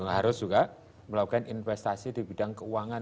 harus juga melakukan investasi di bidang keuangan